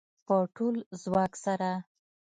په ټول ځواک سره